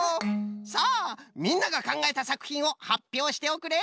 さあみんながかんがえたさくひんをはっぴょうしておくれ！